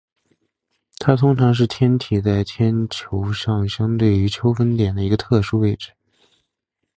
它通常是天体在天球上相对于春分点的一个特殊位置。